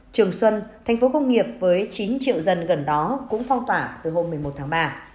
trường xuân thành phố công nghiệp với chín triệu dân gần đó cũng phong tỏa từ hôm một mươi một tháng ba